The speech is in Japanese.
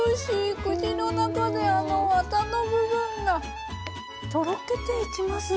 口の中であのワタの部分がとろけていきますね。